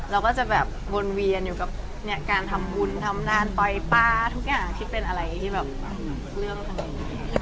เราก็จะแบบวนเวียนอยู่กับการทำบุญทำงานปล่อยปลาทุกอย่างที่เป็นอะไรที่แบบเรื่องทางนี้